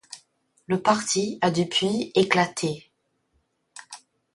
Le parti a depuis éclaté.